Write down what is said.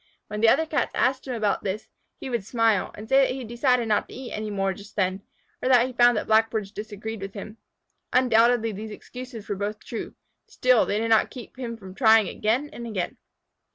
When the other Cats asked him about this, he would smile, and say that he decided not to eat any more just then, or that he had found that Blackbirds disagreed with him. Undoubtedly these excuses were both true, still they did not keep him from trying again and again.